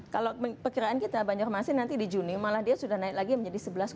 kalau perkiraan kita banjarmasin nanti di juni malah dia sudah naik lagi menjadi sebelas empat puluh